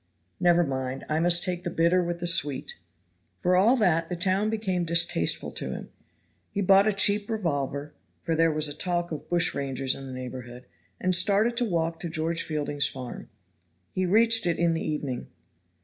Never mind. I must take the bitter with the sweet." For all that the town became distasteful to him. He bought a cheap revolver for there was a talk of bushrangers in the neighborhood and started to walk to George Fielding's farm. He reached it in the evening.